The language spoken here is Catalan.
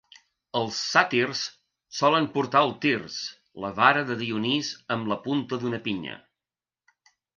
Els sàtirs solen portar el tirs: la vara de Dionís amb la punta d'una pinya.